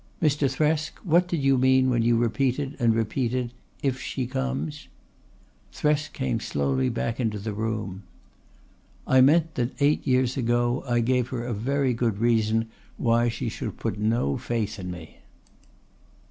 "Mr. Thresk, what did you mean when you repeated and repeated if she comes?" Thresk came slowly back into the room. "I meant that eight years ago I gave her a very good reason why she should put no faith in me."